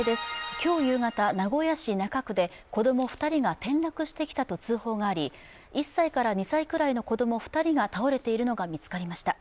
今日夕方、名古屋市中区で子供２人が転落してきたと通報があり、１歳から２歳くらいの子供２人が倒れているのが見つかりました。